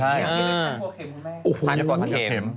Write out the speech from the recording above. มันก็เข็ม